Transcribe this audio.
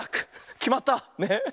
きまった。ね。